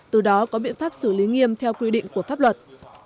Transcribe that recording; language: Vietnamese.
từ đó có biện pháp xử lý nghiêm theo quy định của pháp luật